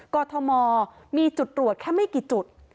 กรทมมีจุดตรวจแค่ไม่กี่จุด